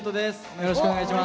よろしくお願いします。